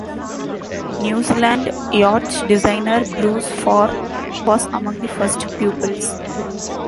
New Zealand yacht designer Bruce Farr was among the first pupils.